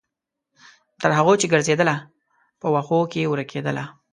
تر هغو چې ګرځیدله، په وښو کې ورکیدله